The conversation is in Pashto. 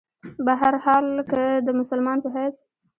بهرحال کۀ د مسلمان پۀ حېث